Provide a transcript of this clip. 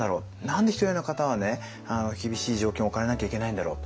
何でひとり親の方はね厳しい状況に置かれなきゃいけないんだろう。